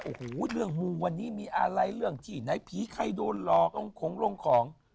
อู้วเรื่องมูวันนี้มีอะไรเรื่องที่ในมูไนท์ผีใครโดนลอง